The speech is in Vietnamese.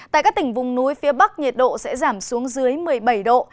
tại các tỉnh vùng núi phía bắc nhiệt độ sẽ giảm xuống dưới một mươi bảy độ